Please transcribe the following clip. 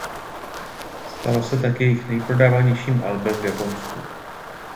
Stalo se tak jejich nejprodávanějším albem v Japonsku.